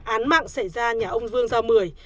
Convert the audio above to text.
án mạng xảy ra nhà ông vương giao mười